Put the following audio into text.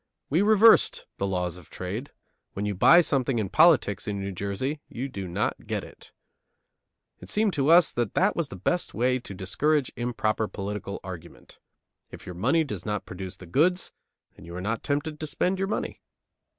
We reversed the laws of trade; when you buy something in politics in New Jersey, you do not get it. It seemed to us that that was the best way to discourage improper political argument. If your money does not produce the goods, then you are not tempted to spend your money.